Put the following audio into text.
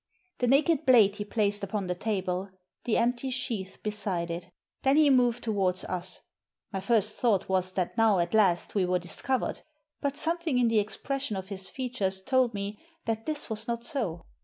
The naked blade he placed upon the table, the empty sheath beside it Then he moved to wards us. My first thought was that now, at last, we were discovered ; but something in the expres sion of his features told me that this was not so.